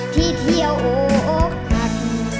ที่เที่ยวโอกัน